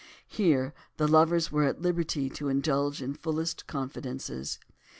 Here the lovers were at liberty to indulge in fullest confidences.